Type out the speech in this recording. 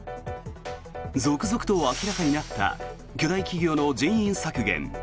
続々と明らかになった巨大企業の人員削減。